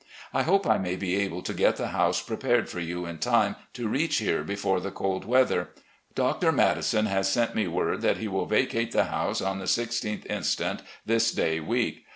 ... I hope I may be able to get the house prepared for you in time to reach here before the cold weather. Dr. Madison has sent me word that he will vacate the house on the i6th inst., this day week.